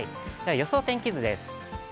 予想天気図です。